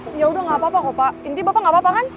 di depan tuh tuh